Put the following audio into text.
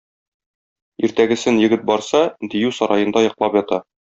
Иртәгесен егет барса - дию сараенда йоклап ята.